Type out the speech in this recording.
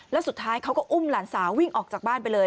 แล้วสุดท้ายเขาก็อุ้มหลานสาววิ่งออกจากบ้านไปเลย